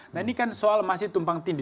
nah ini kan soal masih tumpang tindih